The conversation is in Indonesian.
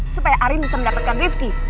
supaya arin bisa mendapatkan rifki